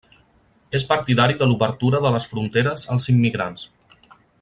És partidari de l'obertura de les fronteres als immigrants.